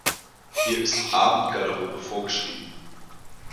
Hier ist Abendgarderobe vorgeschrieben.